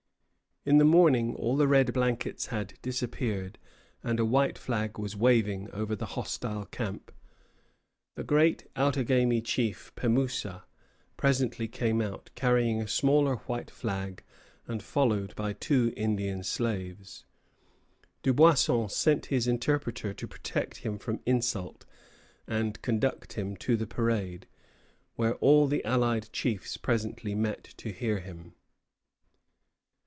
In the morning all the red blankets had disappeared, and a white flag was waving over the hostile camp. The great Outagamie chief, Pemoussa, presently came out, carrying a smaller white flag and followed by two Indian slaves. Dubuisson sent his interpreter to protect him from insult and conduct him to the parade, where all the allied chiefs presently met to hear him.